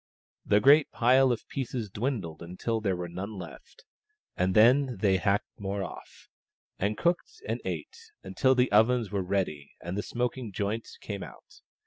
The great pile of pieces dwindled until there were none left, and then they hacked more off, and cooked and ate until the ovens were ready and the smoking joints came out.